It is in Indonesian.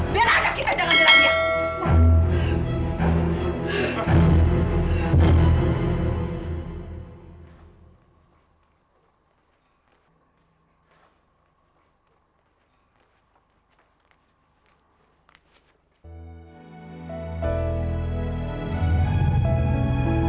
belah aja kita belah aja kita jangan berani ya